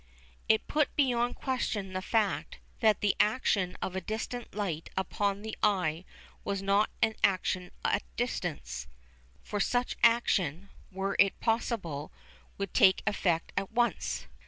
It put beyond question the fact that the action of a distant light upon the eye was not an "action at a distance," for such action, were it possible, would take effect at once.